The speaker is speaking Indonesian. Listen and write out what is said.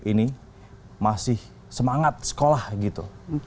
ini masih semangat sekolah gitu